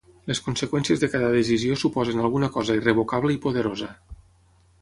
Les conseqüències de cada decisió suposen alguna cosa irrevocable i poderosa.